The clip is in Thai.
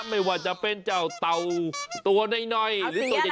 ไม่ว่าจะเป็นเจ้าเต่าตัวน้อยหรือตัวใหญ่